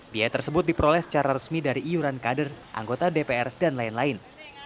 biaya tersebut diperoleh secara resmi dari iuran kader anggota dpr dan lain lain